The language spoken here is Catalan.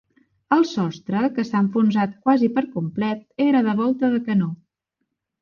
El sostre, que s'ha enfonsat quasi per complet, era de volta de canó.